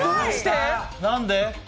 何で？